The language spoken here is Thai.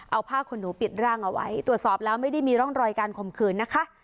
เอาผ้าขนหนูปิดร่างเอาไว้ตรวจสอบแล้วไม่ได้มีร่องรอยการข่มขืนนะคะ